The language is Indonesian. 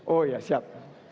oh ya siap